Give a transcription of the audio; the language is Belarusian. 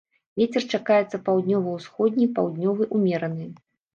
Вецер чакаецца паўднёва-ўсходні, паўднёвы ўмераны.